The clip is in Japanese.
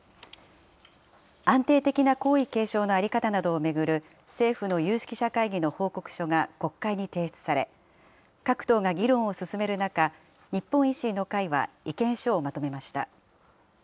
安定的な皇位継承の在り方などを巡る政府の有識者会議の報告書が国会に提出され、各党が議論を進める中、日本維新の会は意見書をまとめました。